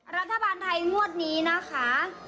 รัฐบาลไทยงวดนี้นะคะ